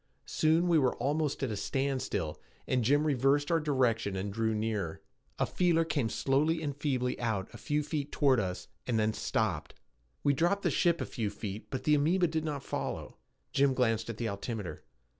Soon we were almost at a standstill, and Jim reversed our direction and drew nearer. A feeler came slowly and feebly out a few feet toward us and then stopped. We dropped the ship a few feet but the amoeba did not follow. Jim glanced at the altimeter.